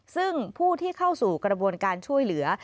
ซึ่งผู้ที่เข้าสู่กระบวนการช่วยเหลือ